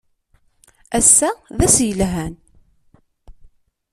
Ass-a d ass yelhan.